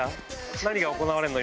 何が行われんの？